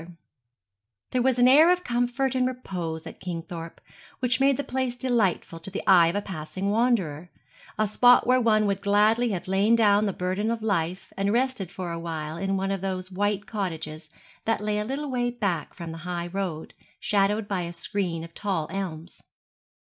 There was an air of comfort and repose at Kingthorpe which made the place delightful to the eye of a passing wanderer a spot where one would gladly have lain down the burden of life and rested for awhile in one of those white cottages that lay a little way back from the high road, shadowed by a screen of tall elms.